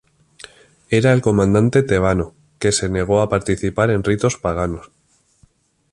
Era el comandante tebano que se negó a participar en ritos paganos.